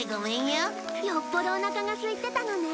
よっぽどおなかがすいてたのね。